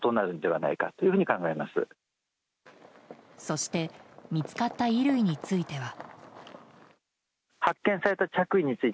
そして見つかった衣類については。